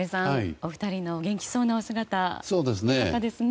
お二人の元気そうなお姿ですね。